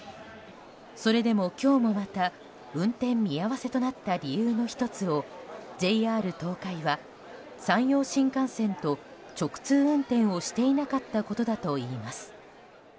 それでも、今日もまた運転見合わせとなった理由の１つをＪＲ東海は山陽新幹線と直通運転をしていなかったことだといいます。